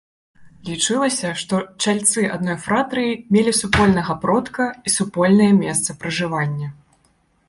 Лічылася, што чальцы адной фратрыі мелі супольнага продка і супольнае месца пражывання.